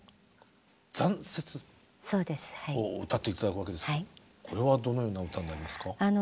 「残雪」を歌って頂くわけですがこれはどのような歌になりますか？